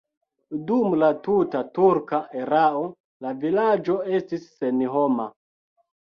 Dum la tuta turka erao la vilaĝo estis senhoma.